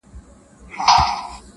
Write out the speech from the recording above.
• کليوال راټولېږي شاوخوا ډېر خلک..